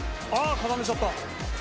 固めちゃった！